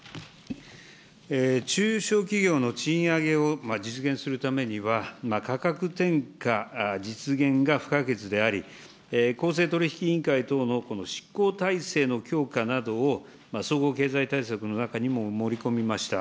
中小企業の賃上げを実現するためには、価格転嫁実現が不可欠であり、公正取引委員会等のこの執行体制の強化などを総合経済対策の中にも盛り込みました。